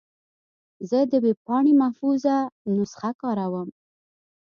زه د ویب پاڼې محفوظ نسخه کاروم.